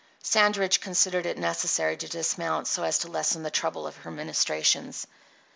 Sandridge considered it necessary to dismount so as to lessen the trouble of her ministrations.